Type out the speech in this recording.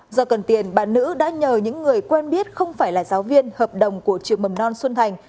do cần tiền bà nữ đã nhờ những người quen biết không phải là giáo viên hợp đồng của trường mầm non xuân thành